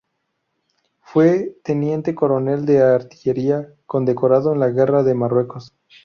Fue teniente coronel de artillería, condecorado en la guerra de Marruecos.